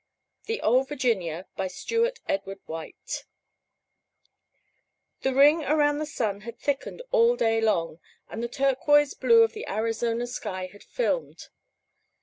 The Ole Virginia By Stewart Edward White THE ring around the sun had thickened all day long, and the turquoise blue of the Arizona sky had filmed.